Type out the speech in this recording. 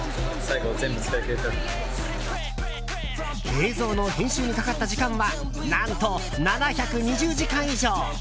映像の編集にかかった時間は何と７２０時間以上。